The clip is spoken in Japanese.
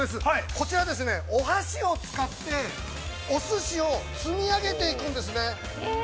こちらですね、お箸を使ってお寿司を積み上げていくんですね。